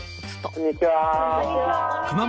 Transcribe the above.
こんにちは。